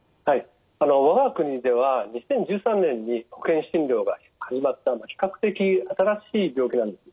我が国では２０１３年に保険診療が始まった比較的新しい病気なんです。